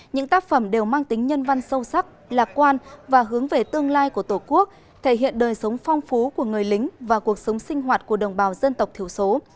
những tác phẩm đều mang tính nhân văn sâu sắc lạc quan và hướng về tương lai của tổ quốc thể hiện đời sống phong phú của người lính và cuộc sống sinh hoạt của đồng bào dân tộc thiểu số